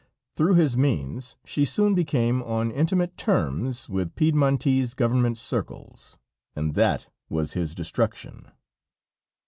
Through his means, she soon became on intimate terms with Piedmontese government circles, and that was his destruction.